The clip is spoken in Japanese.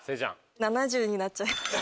７０になっちゃいました。